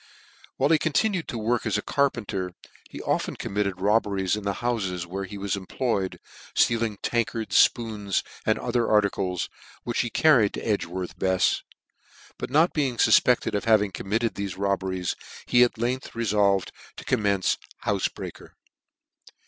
While he con|ir.ued to work as a capenter he often committed: robberies in the houfes where he was employed, ftealing tankards, fpoons, and other articles, which he carried toEdgworta Befs; but net being fufpedted of having committed thefe robberies, he at length refolved to commence houfe breaker.